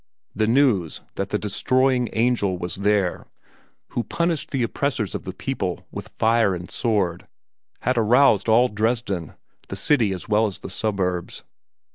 The news that the destroying angel was there, who punished the oppressors of the people with fire and sword, had aroused all Dresden, the city as well as the suburbs.